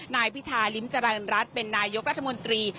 นายพิธาริมเจริญรัฐเป็นนายกรัฐมนตรี